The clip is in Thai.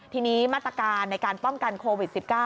ทีนี้มาตรการในการป้องกันโควิด๑๙